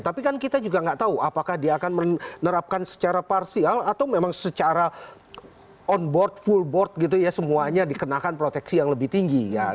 tapi kan kita juga nggak tahu apakah dia akan menerapkan secara parsial atau memang secara on board full board gitu ya semuanya dikenakan proteksi yang lebih tinggi